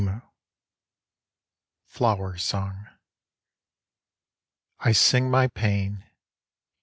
I Flower Song SING my pain.